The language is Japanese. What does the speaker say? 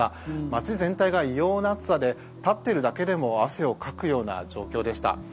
街全体が異様な暑さで立っているだけでも汗をかくような状況でした。